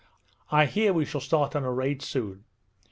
'I hear we shall start on a raid soon.'